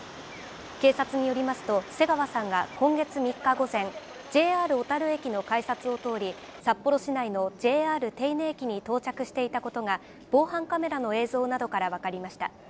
警察によりますと、瀬川さんが今月３日午前、ＪＲ小樽駅の改札を通り、札幌市内のＪＲ手稲駅に到着していたことが、防犯カメラの映像などから分かりました。